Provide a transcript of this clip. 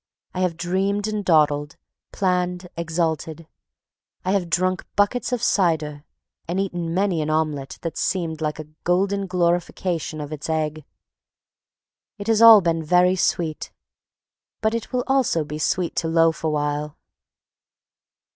I have dreamed and dawdled, planned, exulted. I have drunk buckets of cider, and eaten many an omelette that seemed like a golden glorification of its egg. It has all been very sweet, but it will also be sweet to loaf awhile.